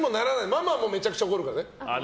ママもめちゃくちゃ怒るからね。